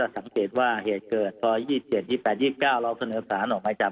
สำเกตว่าเหตุเกิดก็ใบ๒๗ที่๒๘๒๙แล้วเสนอสารออกมาจับ